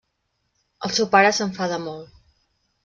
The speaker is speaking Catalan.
El seu pare s’enfada molt.